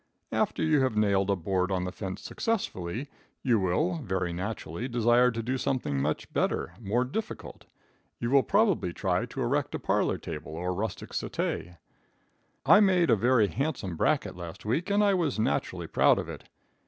After you have nailed a board on the fence successfully, you will very naturally desire to do something much better, more difficult. You will probable try to erect a parlor table or rustic settee. I made a very handsome bracket last week, and I was naturally proud of it.